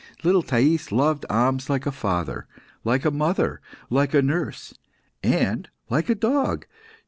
Little Thais loved Ahmes like a father, like a mother, like a nurse, and like a dog.